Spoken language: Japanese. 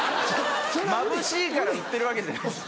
まぶしいから売ってるわけじゃないです。